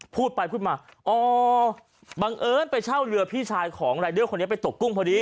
พูดไปพูดมาอ๋อบังเอิญไปเช่าเรือพี่ชายของรายเดอร์คนนี้ไปตกกุ้งพอดี